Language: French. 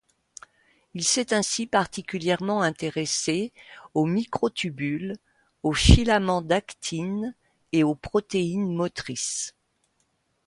Il s'est ainsi particulièrement intéressé aux microtubules, aux filament d'actine et aux protéines motrices.